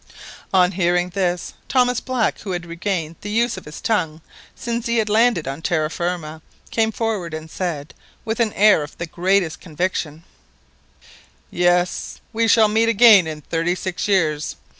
On hearing this, Thomas Black, who had regained the use of his tongue since he had landed on terra firma, came forward and said, with an air of the greatest conviction— "Yes, we shall meet again in thirty six years.